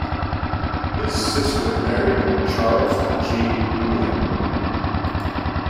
His sister married Charles G. Dulin.